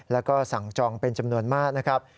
แล้วก็สั่งจองเป็นจำนวนมากนะครับ